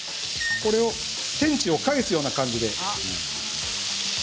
これを天地を返すような感じで。